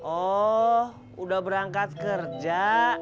oh udah berangkat kerja